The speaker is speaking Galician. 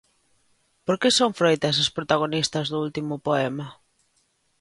Por que son froitas as protagonistas do último poema?